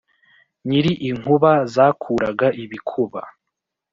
nyiri inkuba zakuraga ibikuba